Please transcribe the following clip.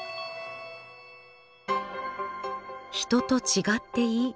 「人と違っていい」。